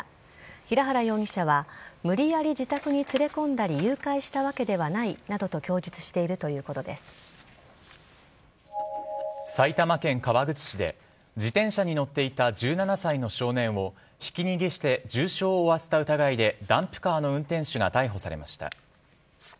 平原容疑者は無理やり自宅に連れ込んだり誘拐したわけではないなどと埼玉県川口市で自転車に乗っていた１７歳の少年をひき逃げして、重傷を負わせた疑いでダンプカーの運転手が逮捕されました。